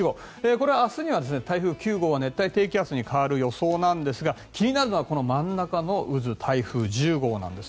これ、明日には台風９号は熱帯低気圧に変わる予想ですが気になるのは真ん中の渦台風１０号なんです。